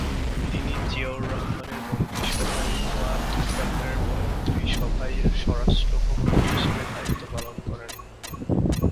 তিনি জিয়াউর রহমানের মন্ত্রিসভায় ও আবদুস সাত্তারের মন্ত্রিসভায় স্বরাষ্ট্র উপমন্ত্রী হিসেবে দায়িত্ব পালন করেন।